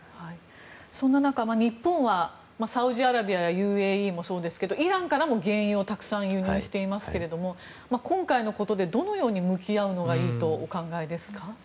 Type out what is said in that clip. そんな中、日本はサウジアラビアやＵＡＥもそうですけどもイランからも原油をたくさん輸入していますが今回のことでどのように向き合うのがいいとお考えですか。